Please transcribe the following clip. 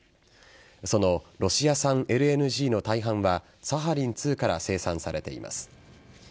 そのロシア産ＬＮＧの大半はサハリン２から生産されています。